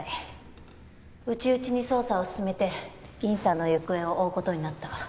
内々に捜査を進めて銀さんの行方を追う事になった。